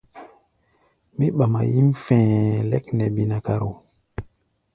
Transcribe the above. Mí ɓama yíʼm fɛ̧ɛ̧ lɛ́k nɛ binakaro.